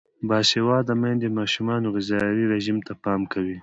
باسواده میندې د ماشومانو غذايي رژیم ته پام کوي.